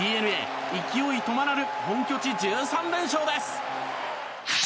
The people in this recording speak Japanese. ＤｅＮＡ、勢い止まらぬ本拠地１３連勝です。